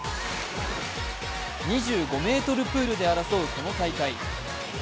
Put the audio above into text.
２５ｍプールで争うこの大会。